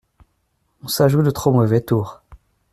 Ça joue de trop mauvais tours !